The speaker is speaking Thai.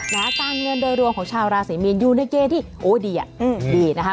และการเงินเดินรวมของชาวราศรีมีนอยู่ในเกรที่โอ๊ยดีอ่ะดีนะคะ